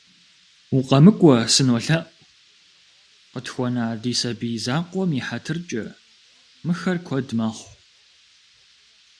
- УкъэмыкӀуэ, сынолъэӀу, къытхуэна ди сабий закъуэм и хьэтыркӀэ, мыхэр куэд мэхъу.